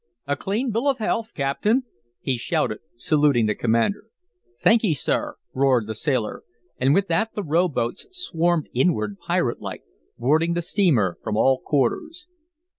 "A clean bill of health, captain," he shouted, saluting the commander. "Thank ye, sir," roared the sailor, and with that the row boats swarmed inward pirate like, boarding the steamer from all quarters.